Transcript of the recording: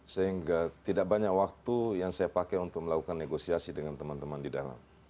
sehingga tidak banyak waktu yang saya pakai untuk melakukan negosiasi dengan teman teman di dalam